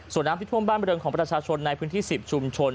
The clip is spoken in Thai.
ส่วนน้ำที่ท่วมบ้านบริเวณของประชาชนในพื้นที่๑๐ชุมชน